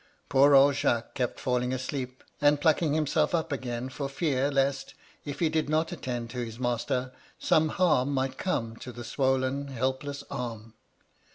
" Poor old Jacques kept falling adeep, and plucking himself up again for fear lest, if he did not attend to his master, some harm might come to the swollen, helpless arm.